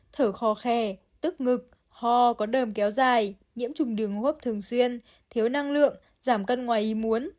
thở khò khe tức ngực ho có đờm kéo dài nhiễm trùng đường hô hấp thường xuyên thiếu năng lượng giảm cân ngoài y muốn